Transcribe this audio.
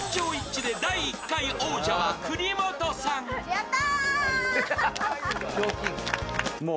やった！